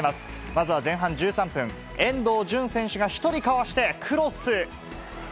まずは前半１３分、遠藤純選手が１人かわしてクロス。